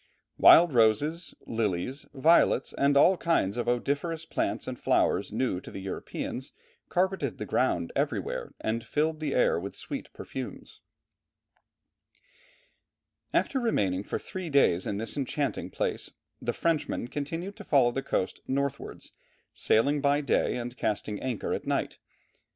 Wild roses, lilies, violets, and all kinds of odoriferous plants and flowers, new to the Europeans, carpeted the ground everywhere, and filled the air with sweet perfumes. [Illustration: Canadian Landscape.] After remaining for three days in this enchanting place, the Frenchmen continued to follow the coast northwards, sailing by day and casting anchor at night.